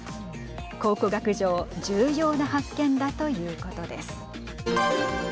考古学上重要な発見だということです。